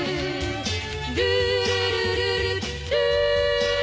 「ルールルルルルー」